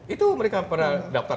itu mereka pada dapat